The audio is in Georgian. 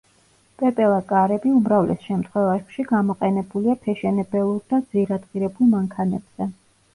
პეპელა კარები უმრავლეს შემთხვევებში გამოყენებულია ფეშენებელურ და ძვირადღირებულ მანქანებზე.